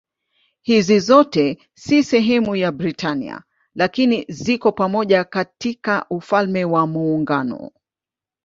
Hizi zote si sehemu ya Britania lakini ziko pamoja katika Ufalme wa Muungano.